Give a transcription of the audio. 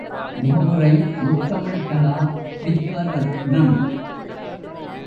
முகவுரை முத்தமிழ்க் கலா வித்வ ரத்னம்.